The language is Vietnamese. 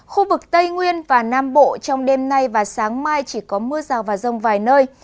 khu vực tây nguyên và nam bộ trong đêm nay và sáng mai chỉ có mưa rào và rông vài nơi